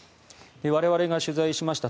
我々が取材しました